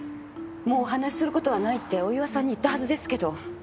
もうお話しする事はないって大岩さんに言ったはずですけど。